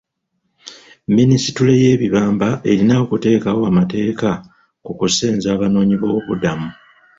Minisitule y'ebibamba erina okuteekawo amateeka ku kusenza abanoonyiboobubudamu.